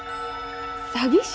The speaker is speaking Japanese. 詐欺師？